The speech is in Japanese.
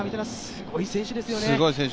すごい選手ですね。